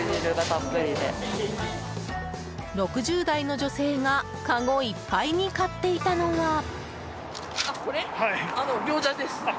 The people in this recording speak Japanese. ６０代の女性がかごいっぱいに買っていたのは。